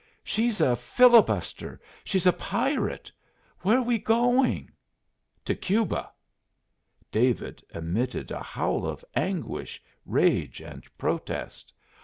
"She's a filibuster! She's a pirate! Where're we going?" "To Cuba!" David emitted a howl of anguish, rage, and protest.